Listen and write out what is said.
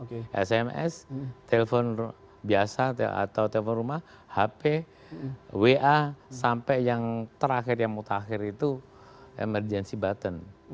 di sms telepon biasa atau telepon rumah hp wa sampai yang terakhir yang mutakhir itu emergency button